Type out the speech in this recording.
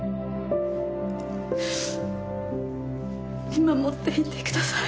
見守っていてください。